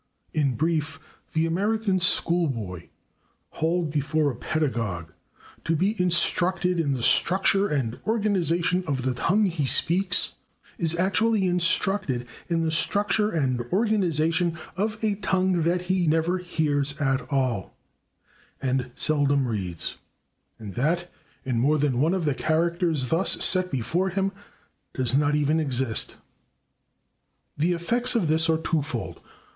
" In brief, the American [Pg180] school boy, hauled before a pedagogue to be instructed in the structure and organization of the tongue he speaks, is actually instructed in the structure and organization of a tongue that he never hears at all, and seldom reads, and that, in more than one of the characters thus set before him, does not even exist. The effects of this are two fold.